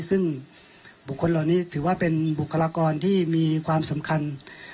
ซึ่งบุคคลเหล่านี้ถือว่าเป็นบุคลากรที่มีความสำคัญ